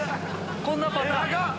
こんなパターン？